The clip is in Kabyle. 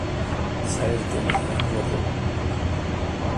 Tesɛiḍ kan kra n waḍu.